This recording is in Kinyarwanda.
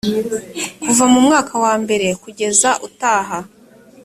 kuva mu mwaka wambere kugeza utaha